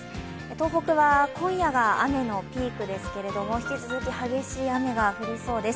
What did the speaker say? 東北は今夜が雨のピークですけれども、引き続き激しい雨が降りそうです。